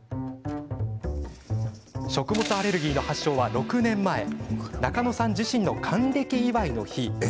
食物アレルギーの発症は６年前中野さん自身の還暦祝いの日。